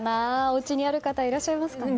おうちにある方いらっしゃいますかね？